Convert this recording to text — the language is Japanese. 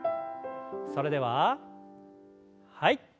それでははい。